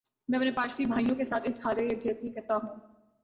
میں اپنے پارسی بھائیوں کیساتھ اظہار یک جہتی کرتا ھوں